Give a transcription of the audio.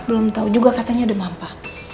belum tahu juga katanya ada mampah